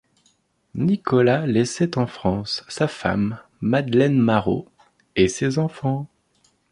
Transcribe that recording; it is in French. Nicolas laissait en France sa femme, Madeleine Maraut, et ses enfants.